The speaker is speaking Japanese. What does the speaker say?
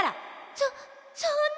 そそんな。